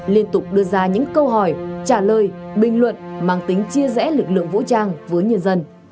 liên tục đưa ra những câu hỏi trả lời bình luận mang tính chia rẽ lực lượng vũ trang với nhân dân